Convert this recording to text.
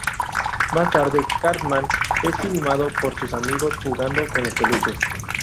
Más tarde Cartman es filmado por sus amigos jugando con los peluches.